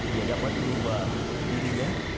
dia dapat merubah dirinya